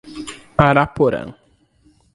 Araporã